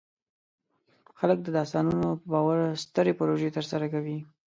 خلک د داستانونو په باور سترې پروژې ترسره کوي.